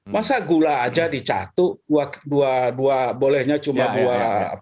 masa gula aja dicatuh dua dua dua bolehnya cuma dua